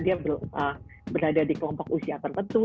dia berada di kelompok usia tertentu